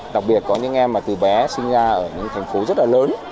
đặc biệt có những em mà từ bé sinh ra ở những thành phố rất là lớn